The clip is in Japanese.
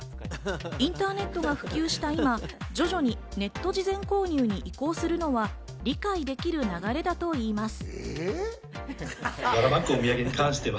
インターネットが普及した今、徐々にネット事前購入に移行するのは理解できる流れだといいます。